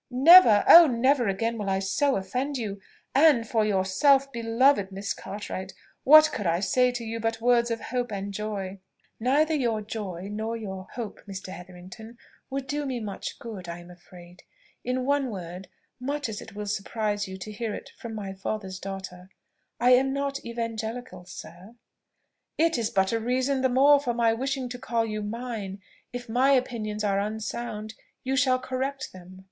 "Never oh, never again will I so offend you: and for yourself, beloved Miss Cartwright, what could I say to you but words of hope and joy?" "Neither your joy nor your hope, Mr. Hetherington, would do me much good, I am afraid. In one word, much as it will surprise you to hear it from my father's daughter, I am not evangelical, sir." "It is but a reason the more for my wishing to call you mine! If my opinions are unsound, you shall correct them."